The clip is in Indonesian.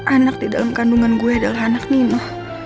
anak di dalam kandungan gue adalah anak nima